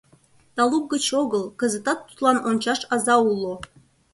Талук гыч огыл, кызытат тудлан ончаш аза уло.